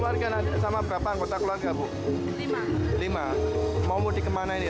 dari atas sepeda motor itu kan banyak kejelangan